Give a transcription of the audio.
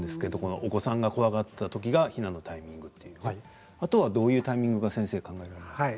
お子さんが怖かったときが避難のタイミング、あとはどういうタイミングが考えられますか。